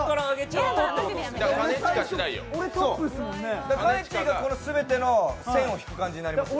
ちが全ての線を引く感じになります。